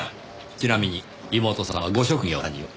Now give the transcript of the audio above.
ちなみに妹さんはご職業は何を？